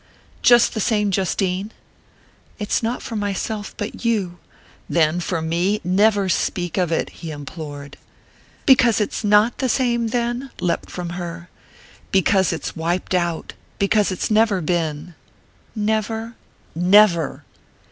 "Just the same, Justine!" "It's not for myself, but you." "Then, for me never speak of it!" he implored. "Because it's not the same, then?" leapt from her. "Because it's wiped out because it's never been!" "Never?" "Never!"